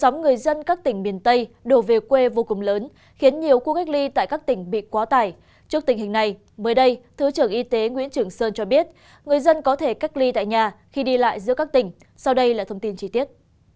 người dân có thể cách ly tại nhà khi đi lại giữa các tỉnh sau đây là thông tin chi tiết